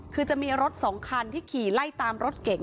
คือจะมีรถ๒คันที่ขี่ไล่ตามรถเก่ง